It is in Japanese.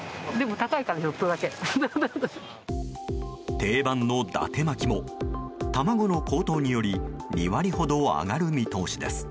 定番の伊達巻も卵の高騰により２割ほど上がる見通しです。